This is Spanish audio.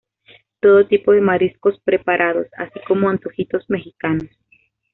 Todo tipo de mariscos preparados, así como antojitos mexicanos.